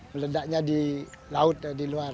meledaknya di laut di luar